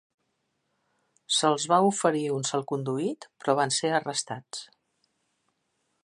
Se'ls va oferir un salconduit però van ser arrestats.